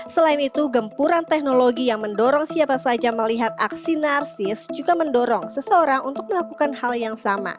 selain itu gempuran teknologi yang mendorong siapa saja melihat aksi narsis juga mendorong seseorang untuk melakukan hal yang sama